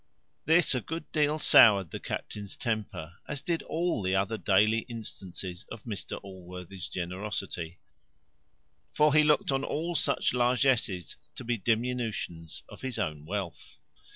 This a good deal soured the captain's temper, as did all the other daily instances of Mr Allworthy's generosity; for he looked on all such largesses to be diminutions of his own wealth.